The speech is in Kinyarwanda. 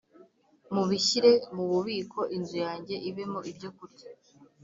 mubishyire mu bubiko inzu yanjye ibemo ibyokurya